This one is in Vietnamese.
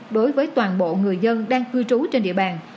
đối với toàn bộ người dân đang cư trú trên địa bàn